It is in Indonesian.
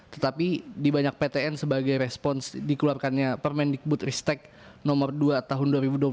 tetapi di banyak ptn sebagai respons dikeluarkannya permendikbud ristek nomor dua tahun dua ribu dua puluh satu